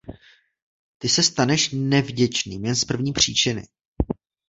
Ty se staneš nevděčným jen z první příčiny.